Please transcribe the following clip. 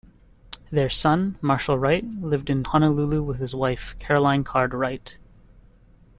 Their son, Marshall Wright lived in Honolulu with his wife, Caroline Card Wright.